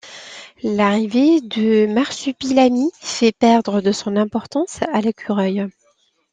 L'arrivée du Marsupilami fait perdre de son importance à l'écureuil.